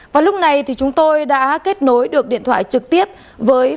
và lúc này thì chúng tôi đã kết nối được điện thoại trực tiếp với phóng viên